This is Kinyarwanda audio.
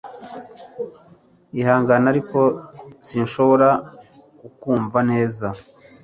Ihangane ariko sinshobora kukumva neza